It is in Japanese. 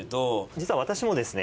実は私もですね